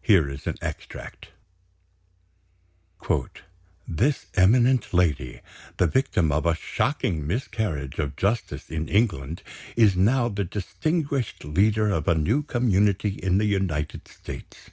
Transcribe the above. Here is an extract: "This eminent lady, the victim of a shocking miscarriage of justice in England, is now the distinguished leader of a new community in the United States.